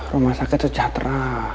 rumah sakit sejahtera